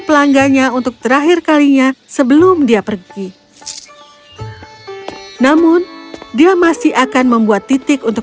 pelanggannya untuk terakhir kalinya sebelum dia pergi namun dia masih akan membuat titik untuk